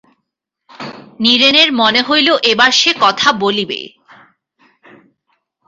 নীরেনের মনে হইল এবার সে কথা বলিবে।